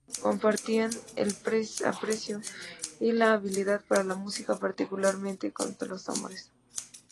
Compartían el aprecio y la habilidad para la música—particularmente con los tambores.